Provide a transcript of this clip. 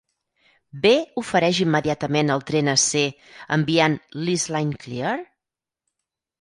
B ofereix immediatament el tren a C enviant l'Is Line Clear?